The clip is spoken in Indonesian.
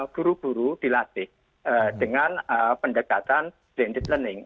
guru guru dilatih dengan pendekatan blended learning